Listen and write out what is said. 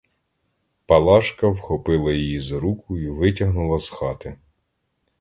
Палажка вхопила її за руку й витягнула з хати.